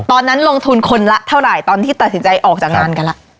ตอนนั้นลงทุนคนละเท่าไหร่ตอนที่ตัดสินใจออกจากงานกันละ